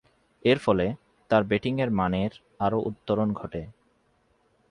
এরফলে, তার ব্যাটিংয়ের মানের আরও উত্তরণ ঘটে।